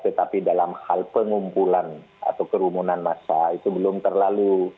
tetapi dalam hal pengumpulan atau kerumunan massa itu belum terlalu